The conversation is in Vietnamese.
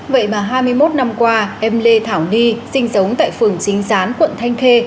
vậy mà hai mươi một năm qua em lê thảo nhi sinh sống tại phường chính gián quận thanh khê